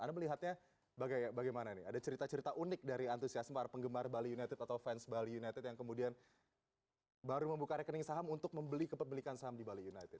anda melihatnya bagaimana nih ada cerita cerita unik dari antusiasme para penggemar bali united atau fans bali united yang kemudian baru membuka rekening saham untuk membeli kepemilikan saham di bali united